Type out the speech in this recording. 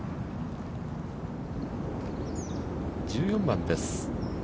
１４番です。